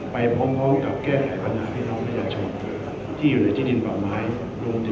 ไปพร้อมกับแก้ไหกับปัญหาพี่น้อง๐๔๒ที่อยู่ในที่ดินประมาท